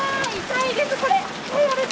痛いです、これ。